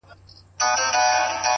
تا ولې د وطن ځمکه لمده کړله په وينو;